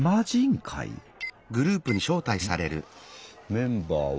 メンバーは。